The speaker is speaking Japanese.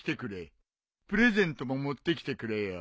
プレゼントも持ってきてくれよ。